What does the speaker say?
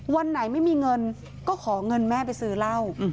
วันไหนไม่มีเงินก็ขอเงินแม่ไปซื้อเหล้า